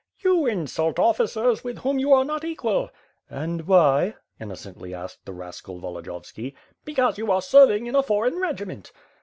"You insult officers with whom you are not equal." "And why?" innocently asked the rascal Volodiyovski. "Because you are serving in a foreign regiment."